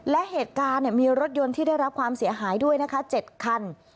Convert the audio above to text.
และเหตุการณ์มีรถยนต์ที่ได้รับความเสียหายด้วยนะคะ๗คัน